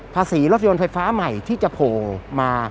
ภาษีรถยนต์ไฟฟ้าใหม่ที่จะโผล่มา